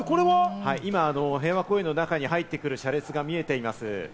今、平和公園の中に入ってくる車列が見えています。